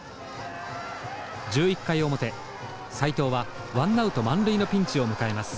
１１回表斎藤はワンナウト満塁のピンチを迎えます。